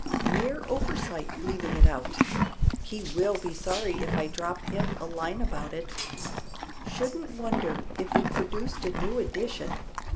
Mere oversight leaving it out. He will be sorry if I drop him a line about it. Shouldn't wonder if it produced a new edition.